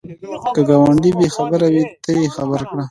که ګاونډی بې خبره وي، ته یې خبر کړه